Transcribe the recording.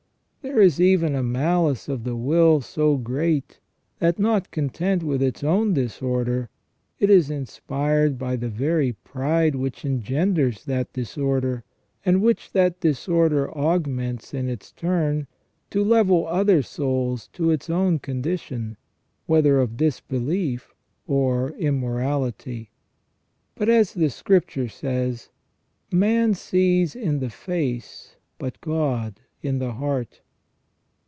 There is even a malice of the will so great that, not content with its own disorder, it is inspired by the very pride which engenders that disorder, and which that disorder augments in its turn, to level other souls to its own condition, whether of disbelief or immorality. But, as the Scripture says :" Man sees in the face, but God in the heart